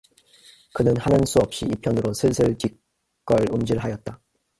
그는 하는 수 없이 이편으로 슬슬 뒷걸음질하였다.